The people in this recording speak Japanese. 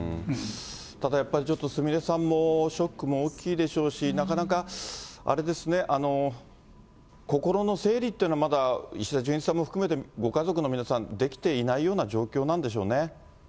ただやっぱり、ちょっとすみれさんもショックも大きいでしょうし、なかなかあれですね、心の整理というのはまだ石田純一さんも含めてご家族の皆さん、できていないような状況なんでしょうね。